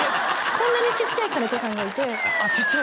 こんなにちっちゃい金子さんがいてあっちっちゃい？